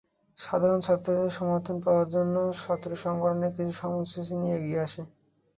সাধারণ ছাত্রদের সমর্থন পাওয়ার জন্য ছাত্রসংগঠনগুলো কিছু কর্মসূচি নিয়ে এগিয়ে আসে।